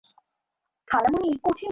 তিনি বাড়িতে আরবি ও ফারসি ভাষা শেখেন।